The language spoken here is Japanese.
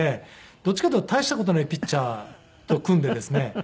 どっちかっていうと大した事ないピッチャーと組んでですね